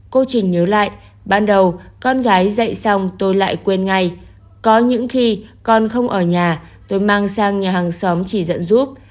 cô trình nhớ lại ban đầu con gái dạy xong tôi lại quên ngay có những khi con không ở nhà tôi mang sang nhà hàng xóm chỉ dẫn giúp